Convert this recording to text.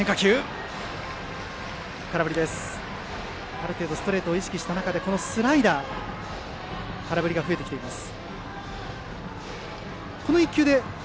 ある程度ストレートを意識した中でスライダー空振りが増えています。